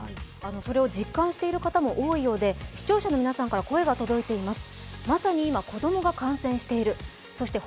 それを実感している方も多いようで視聴者の皆さんから声が届いています。